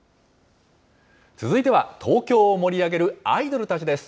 続いては、東京を盛り上げるアイドルたちです。